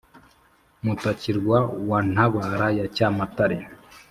Mutakirwa wa Ntabara ya Cyamatare ,